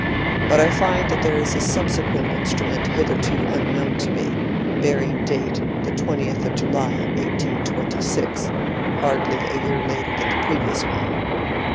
But I find that there is a subsequent instrument hitherto unknown to me, bearing date the 20th of July, 1826, hardly a year later than the previous one.